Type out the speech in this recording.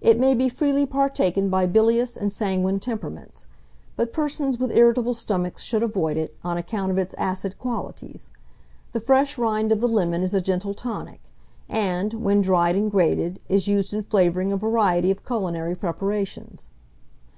It may he freely partaken by bilious and sanguine temperaments; but persons with irritable stomachs should avoid it, on account of its acid qualities. The fresh rind of the lemon is a gentle tonic, and, when dried and grated, is used in flavouring a variety of culinary preparations.